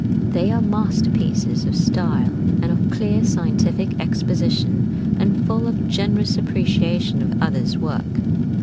They are masterpieces of style and of clear scientific exposition, and full of generous appreciation of others' work.